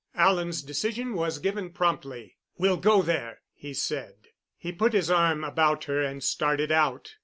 Alan's decision was given promptly. "We'll go there," he said. He put his arm about her and started out.